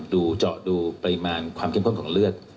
เจาะดูปริมาณความเข้มข้นของเลือด